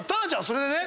それでね